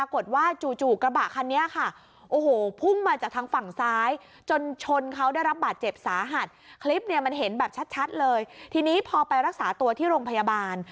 คลิปเนี้ยมันเห็นแบบชัดชัดเลยทีนี้พอไปรักษาตัวที่โรงพยาบาล